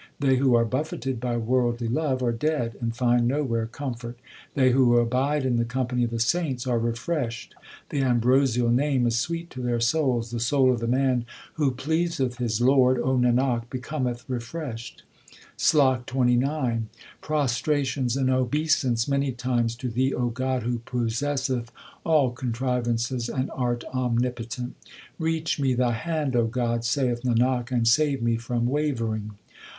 They who are buffeted by worldly love are dead, And find nowhere comfort. They who abide in the company of the saints are re freshed ; The ambrosial Name is sweet to their souls. The soul of the man who pleaseth his Lord, O Nanak, becometh refreshed. HYMNS OF GURU ARJAN 183 SLOK XXIX Prostrations and obeisance many times to Thee, God, who possessest all contrivances and art omnipotent ! Reach me Thy hand, O God, saith Nanak, and save me from wavering.